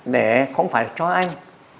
để không phải cho anh